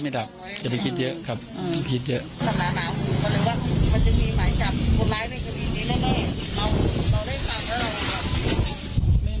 สำหรับน้ำมันจะมีหมายกลับผู้ร้ายในคดีนี้เราได้ฝากอะไรครับ